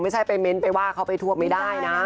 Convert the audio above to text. ไม่ใช่ไปเน้นไปว่าเขาไปทวบไม่ได้นะ